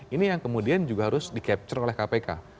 ini yang kemudian juga harus di capture oleh kpk